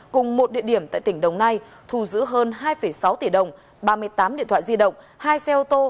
cùng một địa điểm tại tỉnh đồng nai thù giữ hơn hai sáu tỷ đồng ba mươi tám điện thoại di động hai xe ô tô